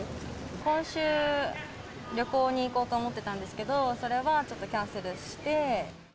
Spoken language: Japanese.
今週、旅行に行こうと思ってたんですけど、それはちょっとキャンセルして。